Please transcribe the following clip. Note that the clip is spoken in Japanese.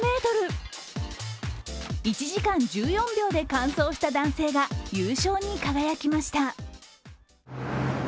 １時間１４秒で完走した男性が優勝に輝きました。